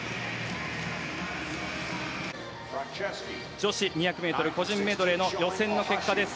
女子２００ｍ個人メドレーの予選の結果です。